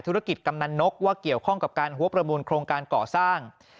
กำนันนกว่าเกี่ยวข้องกับการหัวประมูลโครงการก่อสร้าง